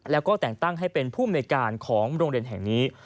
แล้วก็แต่งตั้งให้เป็นผู้มนุยการของโรงเรียนแห่งนี้